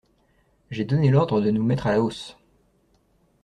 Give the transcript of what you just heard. J'ai donné l'ordre de nous mettre à la hausse!